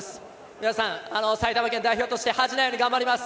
皆さん埼玉県代表として恥じないように頑張ります。